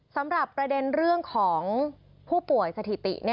สำหรับประเด็นเรื่องของผู้ป่วยสถิติ